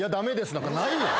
なんかないやん。